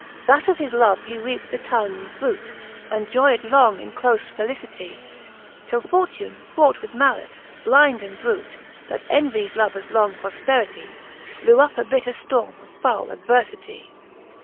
That of his love he reapt the timely frute, And joyed long in clofe felicity : Till fortune, fraught with malice, blinde, and brute, That envies lovers long profperity, Blew up a bitter ftornie pf foule adverfity.